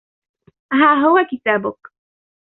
ها هو كتابك.